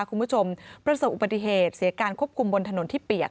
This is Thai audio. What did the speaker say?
คุณผู้ชมประสบอุบัติเหตุเสียการควบคุมบนถนนที่เปียก